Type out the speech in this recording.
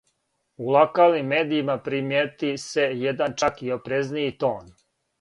У локалним медијима примијети се један чак и опрезнији тон.